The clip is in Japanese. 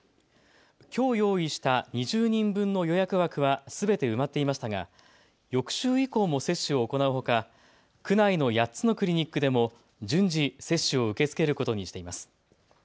きょう用意した２０人分の予約枠はすべて埋まっていましたが翌週以降も接種を行うほか区内の８つのクリニックでも順次、接種を受け付けることにしています。